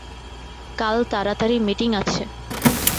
কাল তাড়াতাড়ি মিটিং আছে।